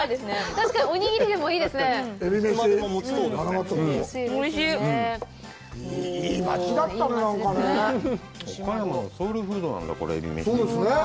確かにおにぎりでもいいですねえびめしマナガツオもおいしいいい町だったねなんかね岡山のソウルフードなんだこれえびめし